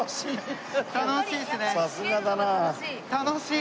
楽しい。